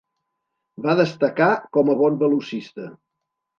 Va destacar com a bon velocista.